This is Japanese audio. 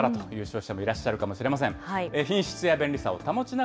長く使えるならという消費者もいらっしゃるかもしれません。